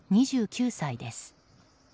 ２９歳です。